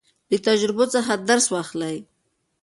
له تجربو څخه درس واخلئ.